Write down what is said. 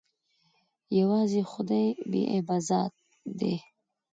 يوازې خداى بې عيبه ذات ديه.